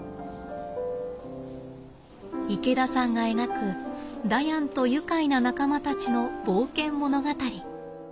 池田さんが描くダヤンと愉快な仲間たちの冒険物語。